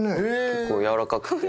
結構軟らかくて。